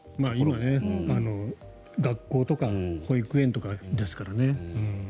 今、学校とか保育園とかですからね。